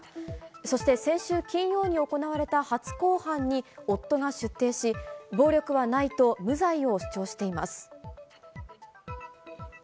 そして先週金曜日に行われた初公判に夫が出廷し、暴力はないと無罪を主張しています。